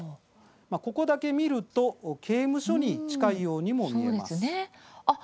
ここだけ見ると刑務所に近いようにも見えます。